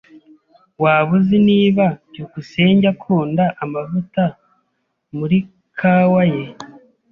Waba uzi niba byukusenge akunda amavuta muri kawa ye?